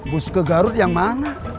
bus ke garut yang mana